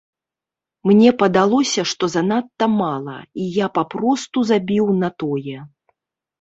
Мне падалося, што занадта мала, і я папросту забіў на тое.